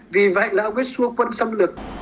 vì vậy là ông ấy xua quân xâm lược